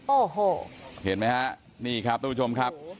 โอ้โหเห็นไหมฮะนี่ครับทุกผู้ชมครับ